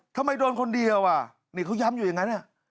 ทำไมโดนคนเดียวอ่ะนี่เขาย้ำอยู่อย่างนั้น